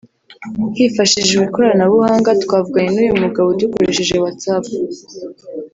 Hifashishijwe ikoranabuhanga twavuganye n'uyu mugabo dukoresheje Whatsapp